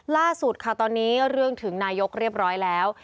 ล่าสุดค่ะตอนนี้เรื่องถึงนายกเรียบร้อยแล้ว